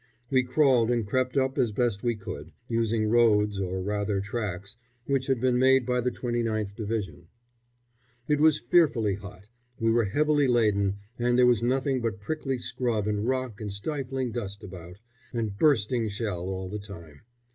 We crawled and crept up as best we could, using roads, or rather tracks, which had been made by the 29th Division. It was fearfully hot, we were heavily laden, and there was nothing but prickly scrub and rock and stifling dust about, and bursting shell all the time.